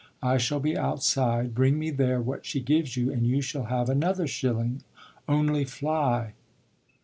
I shall be outside; bring me there what she gives you and you shall have another shilling only fly!"